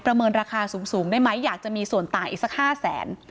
เมินราคาสูงได้ไหมอยากจะมีส่วนต่างอีกสัก๕แสน